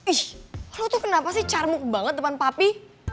ish lo tuh kenapa sih carmuk banget depan papi